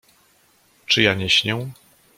"Czy ja nie śnię?"